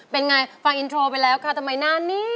เป็นไงฟังอินโทรไปแล้วค่ะทำไมหน้านี้